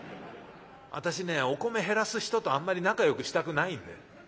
私ねお米減らす人とあんまり仲よくしたくないんで」。